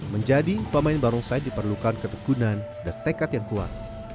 menjadi pemain barongsai diperlukan ketekunan dan tekad yang kuat